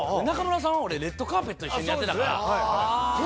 中村さんは『レッドカーペット』一緒にやってたから。